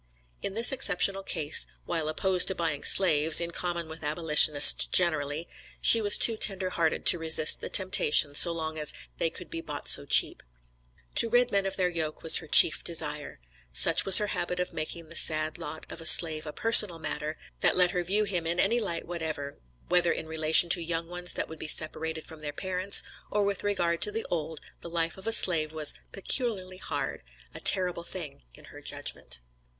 In this exceptional case, while opposed to buying slaves, in common with abolitionists generally, she was too tender hearted to resist the temptation so long as "they could be bought so cheap." To rid men of their yoke was her chief desire. Such was her habit of making the sad lot of a slave a personal matter; that let her view him, in any light whatever, whether in relation to young ones that would be separated from their parents, or with regard to the old, the life of a slave was "peculiarly hard," "a terrible thing" in her judgment.